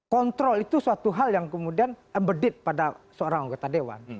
kontrol itu suatu hal yang kemudian umbedate pada seorang anggota dewan